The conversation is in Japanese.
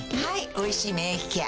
「おいしい免疫ケア」